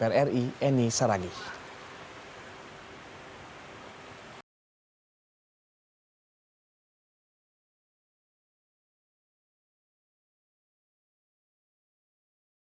penggeledahan di kantor indonesia power ini berlangsung sejak senin sore